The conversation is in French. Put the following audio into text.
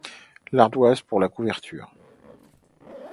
L'ardoise, pour la couverture.